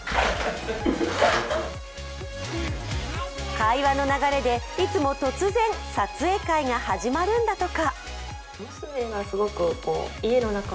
会話の流れでいつも突然撮影会が始まるんだとか。